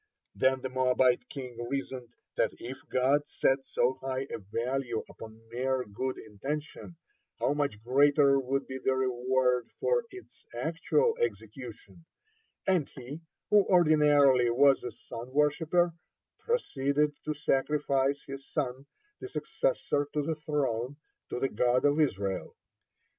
Then the Moabite king reasoned, that if God set so high a value upon mere good intention, how much greater would be the reward for its actual execution, and he, who ordinarily was a sun worshipper, proceeded to sacrifice his son, the successor to the throne, to the God of Israel.